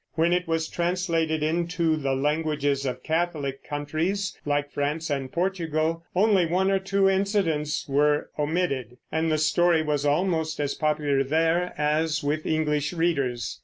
When it was translated into the languages of Catholic countries, like France and Portugal, only one or two incidents were omitted, and the story was almost as popular there as with English readers.